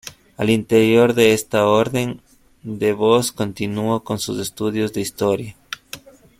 Al interior de esta orden, De Vos continuó con sus estudios de historia.